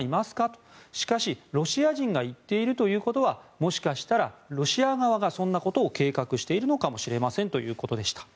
としかし、ロシア人が言っているということはもしかしたらロシア側がそんなことを計画しているのかもしれませんということでした。